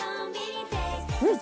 うん？